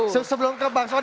saya belum selesai